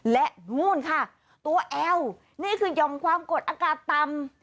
และนู่นค่ะตัวแอลนี่คือยอมความกดอากาศต่ำ